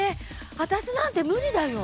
わたしなんて無理だよ。